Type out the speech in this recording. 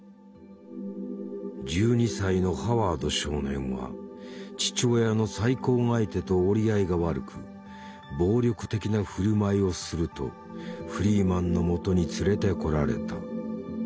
１２歳のハワード少年は父親の再婚相手と折り合いが悪く「暴力的な振る舞いをする」とフリーマンの元に連れてこられた。